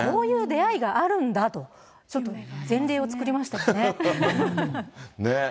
だからこういう出会いがあるんだと、ちょっと前例を作りましねえ。